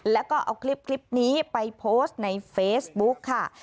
แล้วก็เอาคลิปนี้ไปโพสต์ในเฟซบุ๊กค่ะ